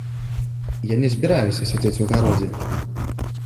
Я не збіраюся сядзець у гародзе.